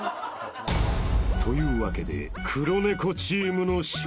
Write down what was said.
［というわけで黒猫チームの勝利］